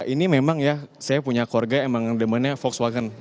ini memang ya saya punya korg yang memang demennya volkswagen